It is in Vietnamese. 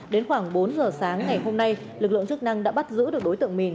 đến khoảng bốn giờ sáng ngày hôm nay lực lượng chức năng đã bắt giữ được đối tượng mịn